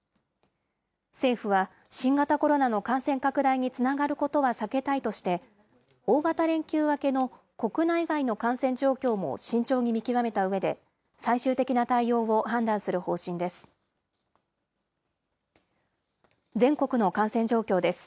政府は、新型コロナの感染拡大につながることは避けたいとして、大型連休明けの国内外の感染状況も慎重に見極めたうえで、最終的な対応を判断する方針です。